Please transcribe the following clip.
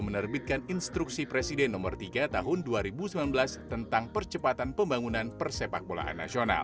menerbitkan instruksi presiden nomor tiga tahun dua ribu sembilan belas tentang percepatan pembangunan persepak bolaan nasional